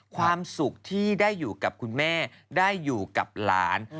ความสุขที่ได้อยู่กับคุณแม่ได้อยู่กับหลาน